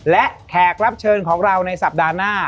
และแขกรับเชิญของเราในสัปดาห์หน้า